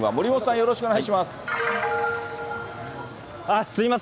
よろしくお願いします。